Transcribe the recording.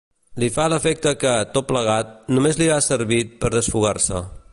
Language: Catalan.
Li fa l'efecte que, tot plegat, només li ha servit per desfogar-se.